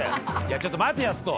ちょっと待てやすと。